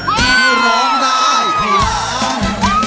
คุณน้ำทิพย์ร้องได้ให้ร้าน